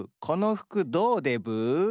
この服どうでブー？